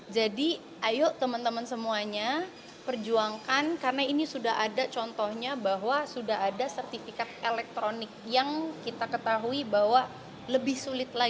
jadi ayo teman teman semuanya perjuangkan karena ini sudah ada contohnya bahwa sudah ada sertifikat elektronik yang kita ketahui bahwa lebih sulit